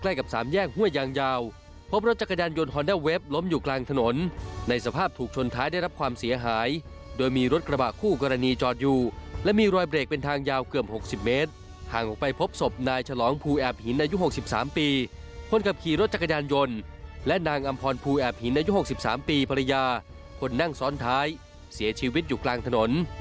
และนางอำพรภูนิแอบหินอายุ๖๓ปีภรรยาคนนั่งซ้อนท้ายเสียชีวิตอยู่กลางถนน